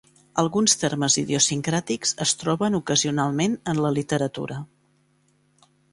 Alguns termes idiosincràtics es troben ocasionalment en la literatura.